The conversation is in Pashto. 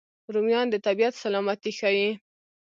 رومیان د طبیعت سلامتي ښيي